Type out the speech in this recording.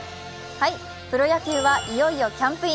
プロ野球はいよいよキャンプイン。